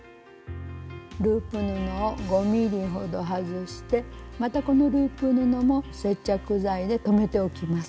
ループ布を５ｍｍほど外してまたこのループ布も接着剤で留めておきます。